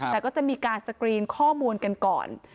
แต่ก็จะมีการสกรีนข้อมูลกันก่อน